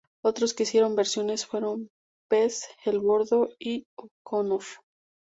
Otros que hicieron versiones fueron Pez, El Bordo y O'Connor.